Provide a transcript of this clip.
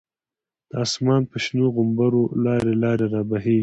د آسمان په شنو غومبرو، لاری لاری را بهیږی